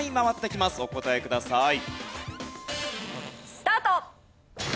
スタート！